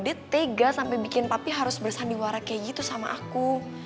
dia tega sampai bikin papi harus bersandiwara kayak gitu sama aku